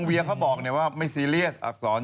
เวียเขาบอกเนี่ยว่าไม่ซีเรียส